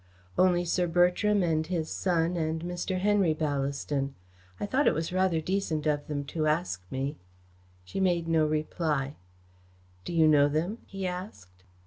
"Only Sir Bertram and his son and Mr. Henry Ballaston. I thought it was rather decent of them to ask me." She made no reply. "Do you know them?" he asked.